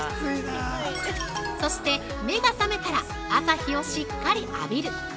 そして、目が覚めたら朝日をしっかり浴びる。